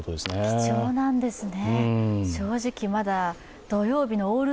貴重なんですね。